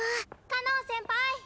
かのん先輩！